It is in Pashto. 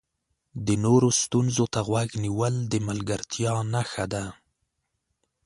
د نورو ستونزو ته غوږ نیول د ملګرتیا نښه ده.